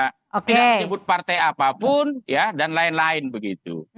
tidak menyebut partai apapun ya dan lain lain begitu